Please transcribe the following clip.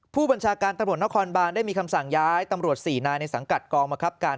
ผู้บัญชาการตำรวจนครบานได้มีคำสั่งย้ายตำรวจ๔นายในสังกัดกองบังคับการ